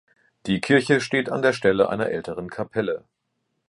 Die Kirche steht an der Stelle einer älteren Kapelle hl.